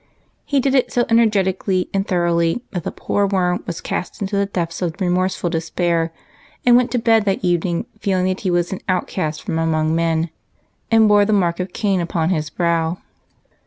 He did it so energetically and thoroughly, that the poor Worm was cast into the depths of remorseful despair, and went to bed that evening feeling that he was an outcast from among men, and bore the mark of Cain upon his brow.